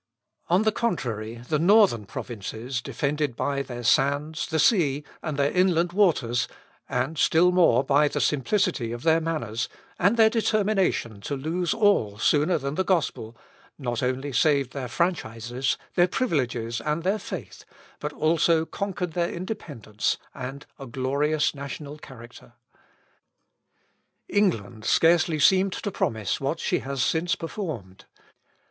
On the contrary, the northern provinces defended by their sands, the sea, and their inland waters, and still more, by the simplicity of their manners, and their determination to lose all sooner than the gospel, not only saved their franchises, their privileges, and their faith, but also conquered their independence, and a glorious national character. England scarcely seemed to promise what she has since performed.